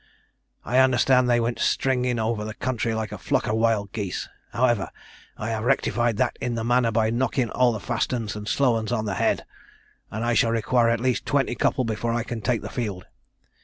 I understand they went stringing over the country like a flock of wild geese. However, I have rectified that in a manner by knocking all the fast 'uns and slow 'uns on the head; and I shall require at least twenty couple before I can take the field.